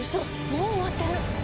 もう終わってる！